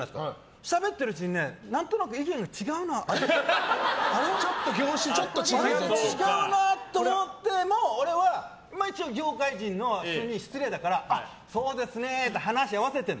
しゃべっているうちに何となく違うなあれ？と思っても俺は一応業界人の人に失礼だからあ、そうですねって話を合わせるの。